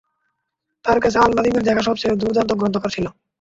তার কাছে আল-নাদিমের দেখা সবচেয়ে দুর্দান্ত গ্রন্থাগার ছিল।